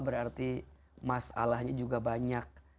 berarti masalahnya juga banyak